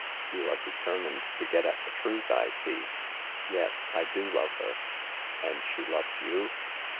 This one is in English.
"You are determined to get at the truth, I see. Yes ; I do love her." "And she loves you